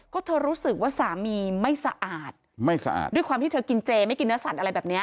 ก็เธอรู้สึกว่าสามีไม่สะอาดไม่สะอาดด้วยความที่เธอกินเจไม่กินเนื้อสัตว์อะไรแบบนี้